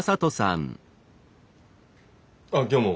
あっ今日も。